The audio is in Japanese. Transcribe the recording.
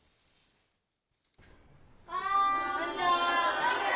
こんにちは。